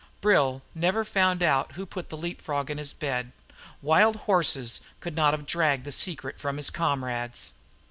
But Brill never found out who put the leap frog in his bed. Wild horses could not have dragged the secret from his comrades.